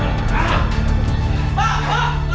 oh ya bagaimana